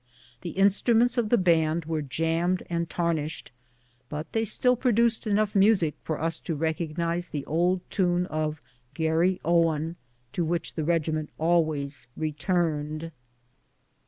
Tlie instruments of the band were jammed and tarnished, but thej still pro duced enough music for us to recognize the old tune of " Garrjowen," to which the regiment always returned.